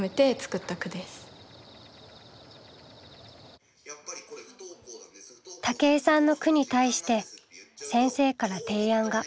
武井さんの句に対して先生から提案が。